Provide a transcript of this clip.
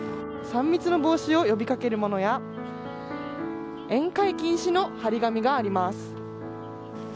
３密の防止を呼びかけるものや、宴会禁止の張り紙があります。